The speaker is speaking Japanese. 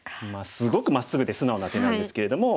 すごくまっすぐで素直な手なんですけれども。